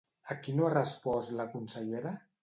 A qui no ha respost la consellera?